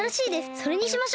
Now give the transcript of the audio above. それにしましょう！